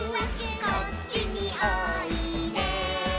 「こっちにおいで」